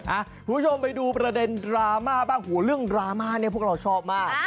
คุณผู้ชมไปดูประเด็นดราม่าบ้างโหเรื่องดราม่าเนี่ยพวกเราชอบมาก